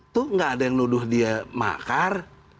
tuh gak ada yang nuduh dia makar